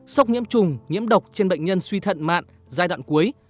sốc nhiễm chủng nhiễm độc trên bệnh nhân suy thận mạn giai đoạn cuối